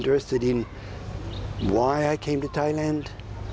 ผมสื่อรวมอีก๑๕นาทีด้านชั้นเดียว